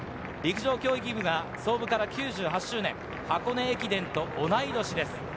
陸上競技部が創部から９８周年、箱根駅伝と同い年です。